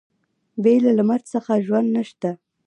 بې له لمر څخه ژوند نشته.